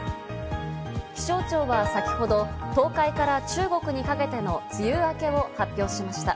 気象庁は先ほど東海から中国にかけての梅雨明けを発表しました。